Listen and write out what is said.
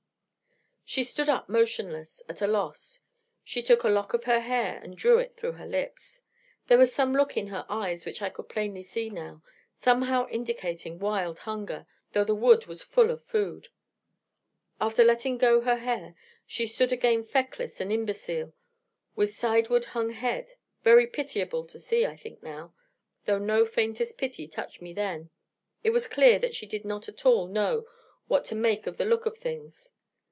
She stood up motionless, at a loss. She took a lock of her hair, and drew it through her lips. There was some look in her eyes, which I could plainly see now, somehow indicating wild hunger, though the wood was full of food. After letting go her hair, she stood again feckless and imbecile, with sideward hung head, very pitiable to see I think now, though no faintest pity touched me then. It was clear that she did not at all know what to make of the look of things.